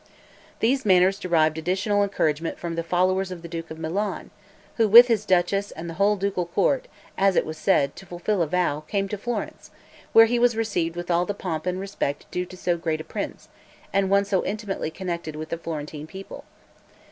These manners derived additional encouragement from the followers of the duke of Milan, who, with his duchess and the whole ducal court, as it was said, to fulfill a vow, came to Florence, where he was received with all the pomp and respect due to so great a prince, and one so intimately connected with the Florentine people.